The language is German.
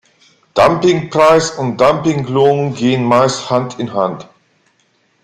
Dumpingpreis und Dumpinglohn gehen meist Hand in Hand.